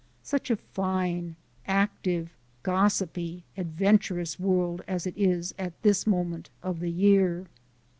Such a fine, active, gossipy, adventurous world as it is at this moment of the year!